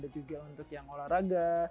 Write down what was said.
juga untuk yang olahraga